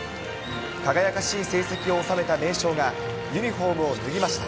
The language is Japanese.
輝かしい成績を収めた名将が、ユニホームを脱ぎました。